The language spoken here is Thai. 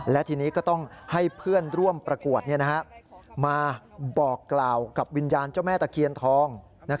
และทีนี้ก็ต้องให้เพื่อนร่วมประกวดมาบอกกล่าวกับวิญญาณเจ้าแม่ตะเคียนทอง